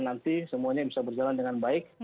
nanti semuanya bisa berjalan dengan baik